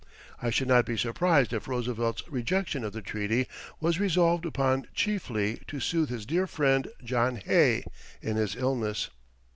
I should not be surprised if Roosevelt's rejection of the treaty was resolved upon chiefly to soothe his dear friend John Hay in his illness.